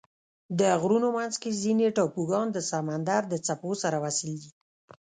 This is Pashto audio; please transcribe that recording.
د غرونو منځ کې ځینې ټاپوګان د سمندر د څپو سره وصل دي.